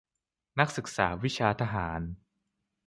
นักศึกษาวิชาทหาร